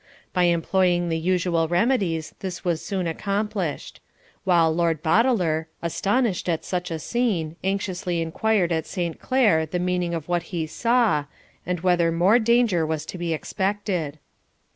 By employing the usual remedies, this was soon accomplished; while Lord Boteler, astonished at such a scene, anxiously inquired at Saint Clere the meaning of what he saw, and whether more danger was to be expected.